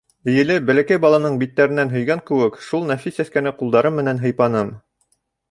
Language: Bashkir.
Эйелеп, бәләкәй баланың биттәренән һөйгән кеүек, шул нәфис сәскәне ҡулдарым менән һыйпаным.